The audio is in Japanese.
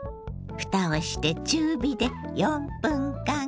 蓋をして中火で４分間。